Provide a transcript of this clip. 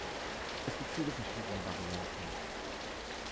Es gibt viele verschiedene Varianten.